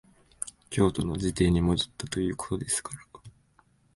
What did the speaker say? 京都の自邸に戻ったということですから、